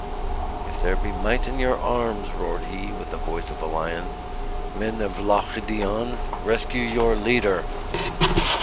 "If there be might in your arms," roared he, with the voice of a lion, "men of Loch Dione, rescue your leader!"